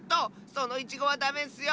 そのイチゴはダメッスよ！